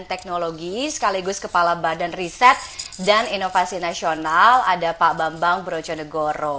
teknologi sekaligus kepala badan riset dan inovasi nasional ada pak bambang brojonegoro